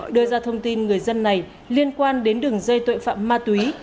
đưa ra thông tin người dân này liên quan đến đường dây tội phạm ma túy